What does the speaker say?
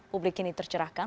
publik kini tercerahkan